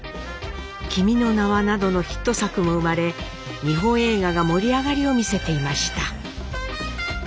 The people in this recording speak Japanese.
「君の名は」などのヒット作も生まれ日本映画が盛り上がりを見せていました。